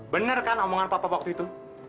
bener kan omongan papa waktu itu